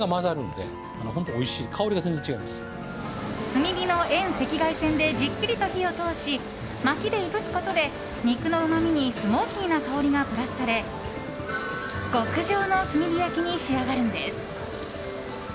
炭火の遠赤外線でじっくりと火を通しまきでいぶすことで肉のうまみにスモーキーな香りがプラスされ極上の炭火焼きに仕上がるんです。